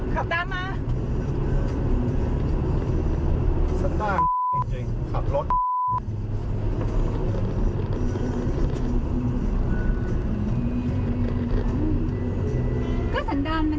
ขับตามมา